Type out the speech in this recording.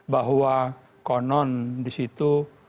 bahwa konon di situ